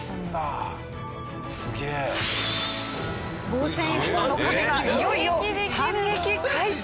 防戦一方のカメがいよいよ反撃開始！